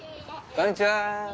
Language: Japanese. こんにちは。